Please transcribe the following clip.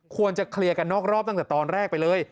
ควรจะเคลียร์กันนอกรอบตั้งแต่ตอนแรกไปเลย